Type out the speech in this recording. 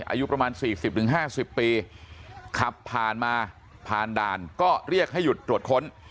อายุประมาณ๔๐๕๐ปีขับผ่านมาผ่านด่านก็เรียกให้หยุดตรวจค้น